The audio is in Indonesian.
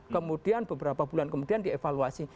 kemudian beberapa bulan kemudian dievaluasi